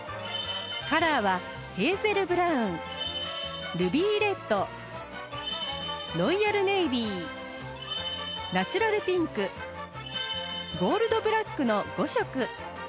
カラーはヘーゼルブラウンルビーレッドロイヤルネイビーナチュラルピンクゴールドブラックの５色